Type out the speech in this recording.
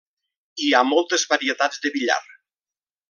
Hi ha moltes varietats de billar.